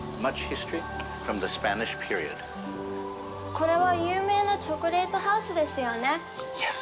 これは有名なチョコレートハウスですよね。